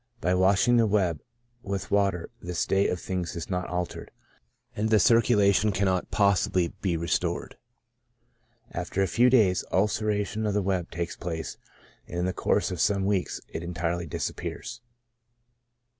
By washing the web with water this state of things is not altered, and the circulation cannot possibly be restored. After a few days, ulceration cf the web takes place, and in the course of some weeks it entirely disappears.